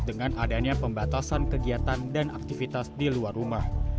dengan adanya pembatasan kegiatan dan aktivitas di luar rumah